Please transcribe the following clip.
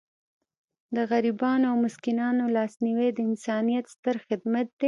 د غریبانو او مسکینانو لاسنیوی د انسانیت ستر خدمت دی.